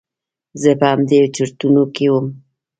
زه په همدې چرتونو کې وم.